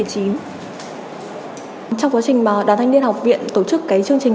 trong quá trình đoàn thanh niên học viện tổ chức chương trình